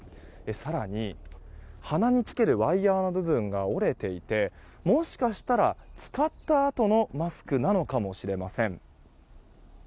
更に、鼻につけるワイヤの部分が折れていて、もしかしたら使ったあとのマスクなのかもしれません。